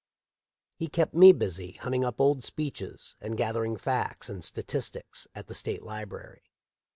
He kept me busy hunting up old speeches and gathering facts and statistics at the State library.